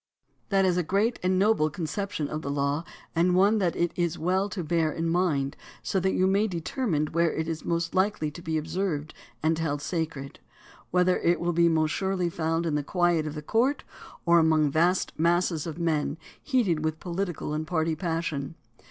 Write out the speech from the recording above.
That is a great and noble conception of the law and one that it is well to bear in mind so that you may determine where it is most likely to be observed and held sacred; whether it will be most surely found in the quiet of the court or among vast masses of men heated with political and party passion.